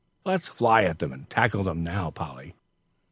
"Let's fly at them and tackle them now, Polly."